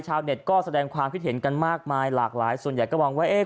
ชาวเน็ตก็แสดงความคิดเห็นกันมากมายหลากหลายส่วนใหญ่ก็มองว่าเอ๊ะ